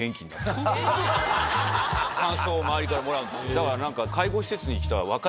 感想を周りからもらうんですだから何か。